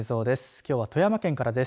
きょうは富山県からです。